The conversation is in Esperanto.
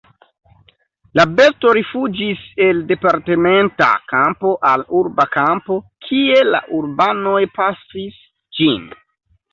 La besto rifuĝis el departementa kampo al urba kampo, kie la urbanoj pafis ĝin.